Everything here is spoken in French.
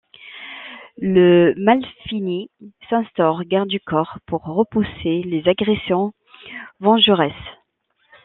Le Malfini s'instaure garde du corps pour repousser les agressions vengeresses.